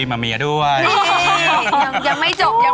แม่บ้านพระจันทร์บ้าน